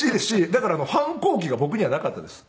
だから反抗期が僕にはなかったです。